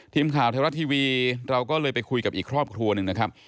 ทีมข่าวไทยรัฐทีวีเราก็เลยไปคุยกับอีกครอบครัวหนึ่งนะครับ